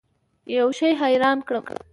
یوه شي حیران کړم.